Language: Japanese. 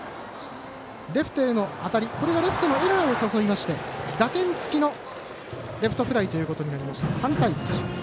レフトへの当たり、これがレフトのエラーを誘いまして打点つきのレフトフライになりました、３対１。